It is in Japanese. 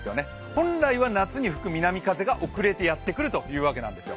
本来は夏に吹く南風が遅れてやってくるというわけなんですよ。